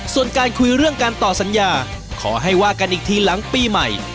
ส่วนการคุยเรื่องการต่อสัญญาขอให้ว่ากันอีกทีหลังปีใหม่